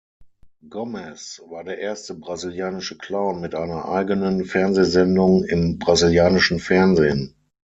Gomes war der erste brasilianische Clown mit einer eigenen Fernsehsendung im brasilianischen Fernsehen.